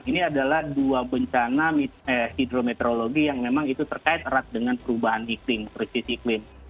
ini adalah dua bencana hidrometeorologi yang memang terkait erat dengan perubahan iklim krisis iklim